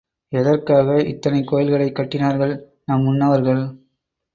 எதற்காக இத்தனை கோயில்களைக் கட்டினார்கள் நம் முன்னவர்கள்?